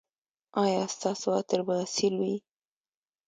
ایا ستاسو عطر به اصیل وي؟